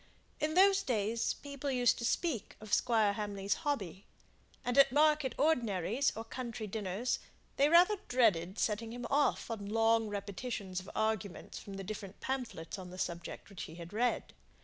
In those days people used to speak of Squire Hamley's hobby; and at market ordinaries, or county dinners, they rather dreaded setting him off on long repetitions of arguments from the different pamphlets on the subject which he had read.